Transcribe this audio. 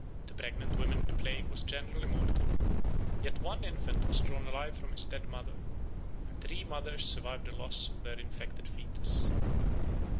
To pregnant women the plague was generally mortal: yet one infant was drawn alive from his dead mother, and three mothers survived the loss of their infected foetus.